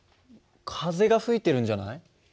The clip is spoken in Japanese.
風が吹いてるんじゃない？